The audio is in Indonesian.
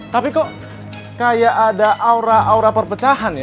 tapi kok kayak ada aura aura perpecahan ya